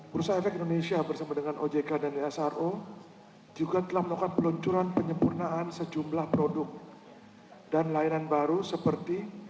bursa efek indonesia bersama dengan ojk dan esro juga telah melakukan peluncuran penyempurnaan sejumlah produk dan layanan baru seperti